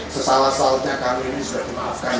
sesalah saatnya kami ini